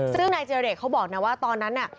ซึ่งนายเจรเดชเขาบอกนะว่าตอนนั้นน่ะ